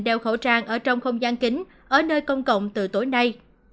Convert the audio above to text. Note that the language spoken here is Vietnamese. đeo khẩu trang ở trong không gian kính ở nơi công cộng từ tối nay